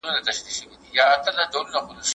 که وخت وي بازار ته ځم